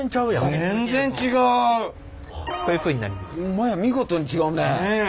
ホンマや見事に違うね。